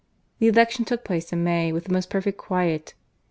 The Election took place in May with the most perfect quiet.